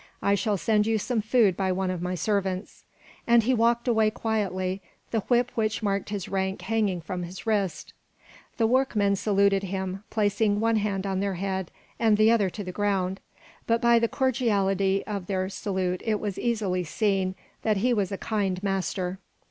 I shall send you some food by one of my servants." And he walked away quietly, the whip which marked his rank hanging from his wrist. The workmen saluted him, placing one hand on their head and the other to the ground, but by the cordiality of their salute it was easily seen that he was a kind master.